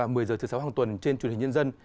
một tuần trên truyền hình nhân dân